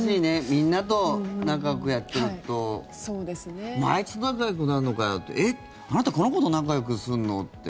みんなと仲よくやっていくとあいつと仲よくなるのかよえっ、あなたこの子と仲よくするの？って。